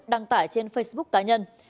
đăng tải trên facebook cá nhân